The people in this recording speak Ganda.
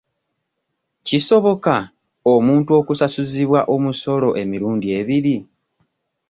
Kisoboka omuntu okusasuzibwa omusolo emirundi ebiri?